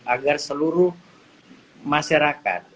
agar seluruh masyarakat